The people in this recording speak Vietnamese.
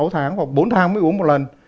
sáu tháng hoặc bốn tháng mới uống một lần